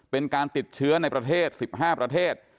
เป็นการติดเชื้อในประเทศ๑๕ประเทศ